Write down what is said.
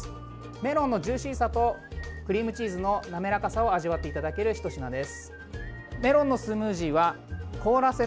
メロンのジューシーさとクリームチーズの滑らかさを味わっていただけるひと品です。